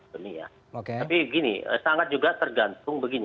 tapi gini sangat juga tergantung begini